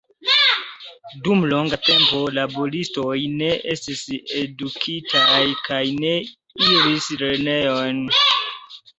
Dum longa tempo, laboristoj ne estis edukitaj kaj ne iris lernejon.